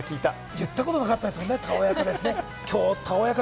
言ったことなかったですね。